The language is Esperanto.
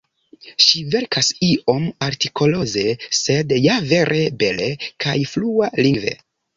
Ŝi verkas iom artikoloze, sed ja vere bele kaj flua-lingve.